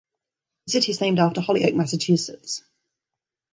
The city is named after Holyoke, Massachusetts.